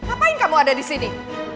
apa yang kamu ada disini